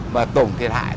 mà tổng thiệt hại